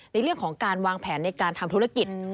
ในเรื่องของการวางแผนในการทำธุรกิจ